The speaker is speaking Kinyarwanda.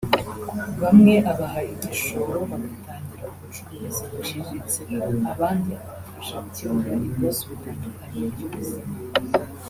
bamwe abaha igishoro bagatangira ubucuruzi buciriritse abandi akabafasha gukemura ibibazo bitandukanye by’ubuzima